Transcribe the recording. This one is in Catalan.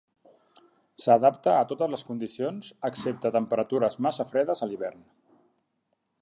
S'adapta a totes les condicions excepte temperatures massa fredes a l'hivern.